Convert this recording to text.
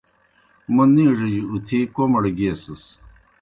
موْ نِیڙِجیْ اُتِھی کوْمَڑ گیسِس۔